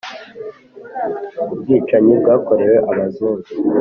ubwicanyi bwakorewe abazungu